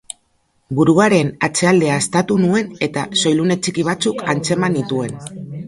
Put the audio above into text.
Buruaren atzealdea haztatu nuen eta soilune txiki batzuk antzeman nituen.